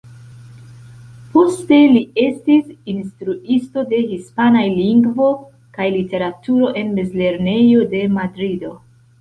Poste li estis instruisto de Hispanaj Lingvo kaj Literaturo en mezlernejo de Madrido.